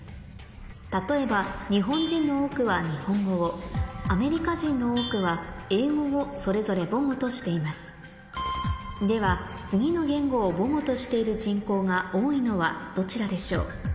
例えば日本人の多くは日本語をアメリカ人の多くは英語をそれぞれ母語としていますでは次の言語を母語としている人口が多いのはどちらでしょう？